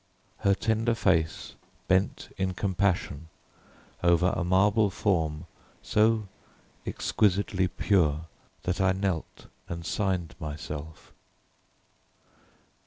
Her tender face bent in compassion over a marble form so exquisitely pure that I knelt and signed myself.